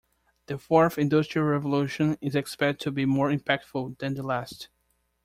The fourth industrial revolution is expected to be more impactful than the last.